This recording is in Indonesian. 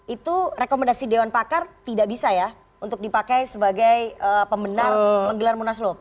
itu rekomendasi dewan pakar tidak bisa ya untuk dipakai sebagai pembenar menggelar munaslup